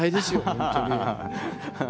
本当に。